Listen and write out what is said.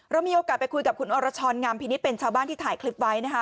เรามีโอกาสไปคุยกับคุณอรชรงามพินิษฐ์เป็นชาวบ้านที่ถ่ายคลิปไว้นะคะ